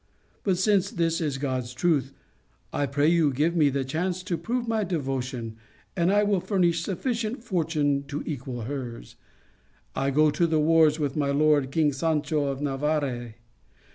But since this is God's truth, I pray you give me the chance to prove my devotion, and I will furnish suffi cient fortune to equal hers. I go to the wars with my lord, King Sancho of Navarre.